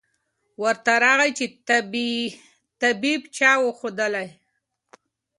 ورته راغی چي طبیب چا ورښودلی